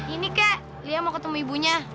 ini kakek liat mau ketemu ibunya